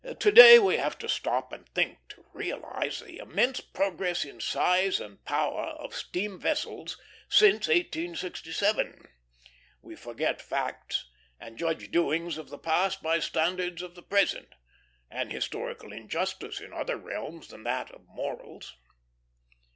To day we have to stop and think, to realize the immense progress in size and power of steam vessels since 1867. We forget facts, and judge doings of the past by standards of the present; an historical injustice in other realms than that of morals.